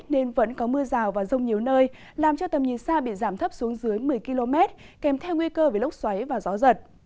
nên vẫn có mưa rào và rông nhiều nơi làm cho tầm nhìn xa bị giảm thấp xuống dưới một mươi km kèm theo nguy cơ về lốc xoáy và gió giật